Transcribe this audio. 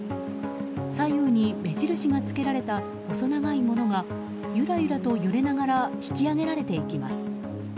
左右に目印がつけられた細長いものがゆらゆらと揺れながら引き揚げられていきます。